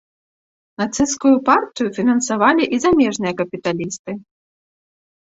Нацысцкую партыю фінансавалі і замежныя капіталісты.